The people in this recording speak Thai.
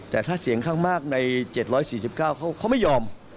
แต่ถ้าเสียงข้างมากในเจ็ดร้อยสี่สิบเก้าเขาเขาไม่ยอม